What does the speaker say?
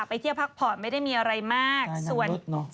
ไปเที่ยวพักผอดไม่ได้มีอะไรมากส่วนที่ไปงาน